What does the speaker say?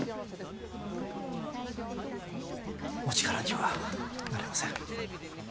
お力にはなれません。